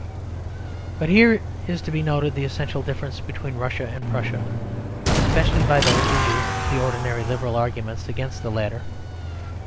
But here is to be noted the essential difference between Russia and Prussia; especially by those who use the ordinary Liberal arguments against the latter.